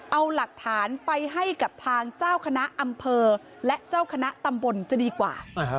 เอาหลักฐานไปให้กับทางเจ้าคณะอำเภอและเจ้าคณะตำบลจะดีกว่า